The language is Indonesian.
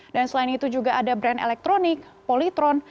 dan selain itu juga ada brand elektronik politron